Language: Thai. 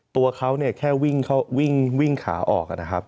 ตัวเขาเนี่ยแค่วิ่งขาออกนะครับ